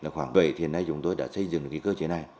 khoảng vậy thì hiện nay chúng tôi đã xây dựng cơ chế này